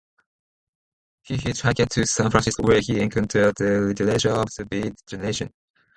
He hitchhiked to San Francisco where he encountered the literature of the Beat Generation.